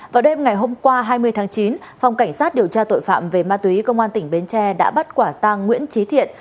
vào đêm ngày hôm qua hai mươi tháng chín phòng cảnh sát điều tra tội phạm về ma túy công an tỉnh bến tre đã bắt quả tang nguyễn trí thiện